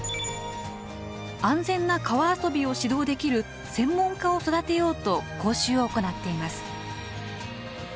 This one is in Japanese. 安全な川遊びを指導できる専門家を育てようと講習を行っています。